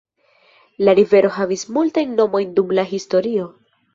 La rivero havis multajn nomojn dum la historio.